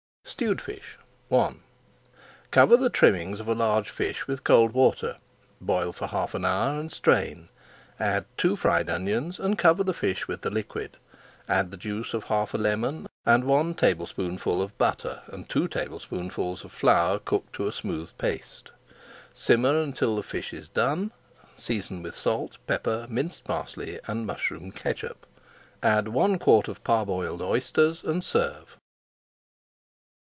STEWED FISH I Cover the trimmings of a large fish with cold water, boil for half an hour, and strain. Add two fried onions and cover the fish with the liquid. Add the juice of half a lemon and one tablespoonful of butter and two tablespoonfuls of flour cooked to a smooth paste. Simmer until the fish is done, season with salt, pepper, minced parsley, and mushroom catsup, add one quart of parboiled oysters, and serve.